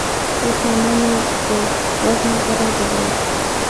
اوس نو نه مې د راز ملګرى درلود.